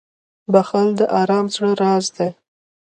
• بښل د ارام زړه راز دی.